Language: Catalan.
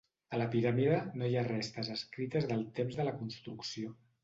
A la piràmide, no hi ha restes escrites del temps de la construcció.